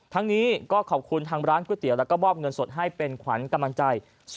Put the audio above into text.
ทั้งนี้ก็ขอบคุณทางร้านก๋วยเตี๋ยวแล้วก็มอบเงินสดให้เป็นขวัญกำลังใจ